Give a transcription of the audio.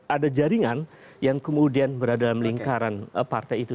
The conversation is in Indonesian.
ada jaringan yang kemudian berada dalam lingkaran partai itu